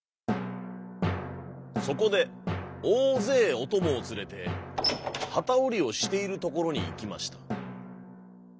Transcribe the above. そこでおおぜいおともをつれてはたおりをしているところにいきました。